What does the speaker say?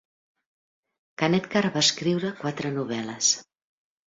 Kanetkar va escriure quatre novel·les.